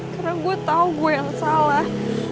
karena gue tahu gue yang salah